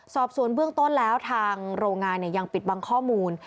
สอบสวนเบื้องต้นแล้วทางโรงงานยังปิดบังข้อมูล